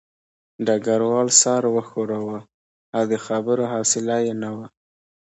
ډګروال سر وښوراوه او د خبرو حوصله یې نه وه